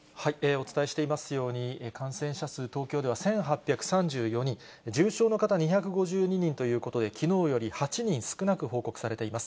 お伝えしていますように、感染者数、東京では１８３４人、重症の方２５２人ということで、きのうより８人少なく報告されています。